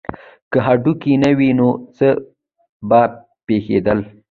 که هډوکي نه وی نو څه به پیښیدل